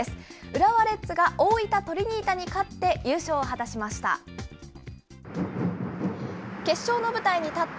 浦和レッズが大分トリニータに勝って優勝を果たしました。